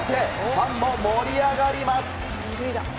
ファンも盛り上がります。